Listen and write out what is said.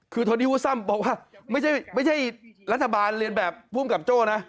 คือโทนี่วูซัมบอกว่าไม่ใช่รัฐบาลเรียนแบบภูมิกับโจ้นะ